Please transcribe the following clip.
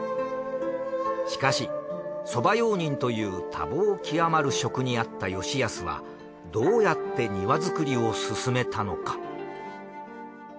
しかし側用人という多忙極まる職にあった吉保はどうやって庭造りを進めたのか。